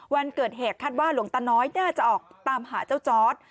วันเกิดเหตุคาดว่าหลวงตาน้อยน่าจะออกตามหาเจ้าจอร์ด